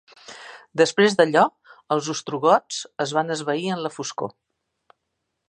Després d'allò, els ostrogots es van esvair en la foscor.